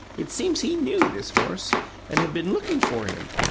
It seems he KNEW this horse, and had been looking for him.